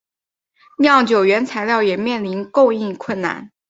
酿酒原材料也面临供应困难。